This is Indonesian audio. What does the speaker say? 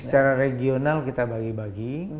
secara regional kita bagi bagi